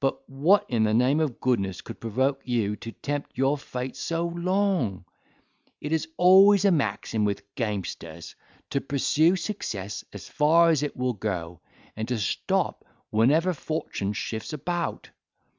But what in the name of goodness could provoke you to tempt your fate so long? It is always a maxim with gamesters to pursue success as far us it will go, and to stop whenever fortune shifts about.